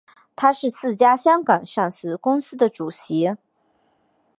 他是四家香港上市公司的主席。